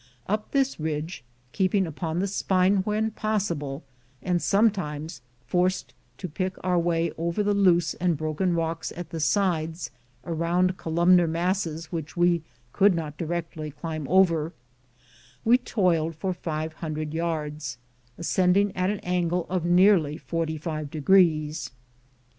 Up this ridge, keeping upon the spine when possible, and some times forced to pick our way over the loose and broken rocks at the sicles, around columnar masses which we could not directly climb over, we toiled for five hundred yards, ascending at an angle of nearly forty five degrees.